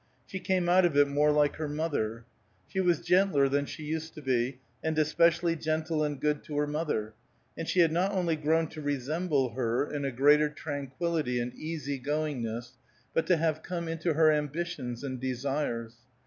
She came out of it more like her mother. She was gentler than she used to be, and especially gentle and good to her mother; and she had not only grown to resemble her in a greater tranquillity and easy goingness, but to have come into her ambitions and desires.